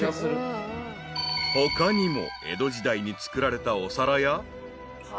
［他にも江戸時代に作られたお皿や］